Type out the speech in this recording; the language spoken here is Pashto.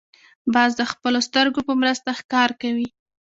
باز د خپلو سترګو په مرسته ښکار کوي